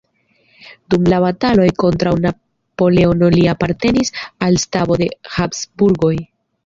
Dum la bataloj kontraŭ Napoleono li apartenis al stabo de Habsburgoj.